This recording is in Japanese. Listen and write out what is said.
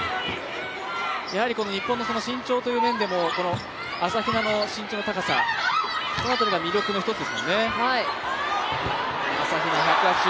やはり日本の身長という面でも朝比奈の身長の高さこの辺りが魅力の一つですもんね。